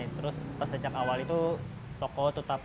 sistem penjualan online pun belum jadi pilihan untuk strategi pemasaran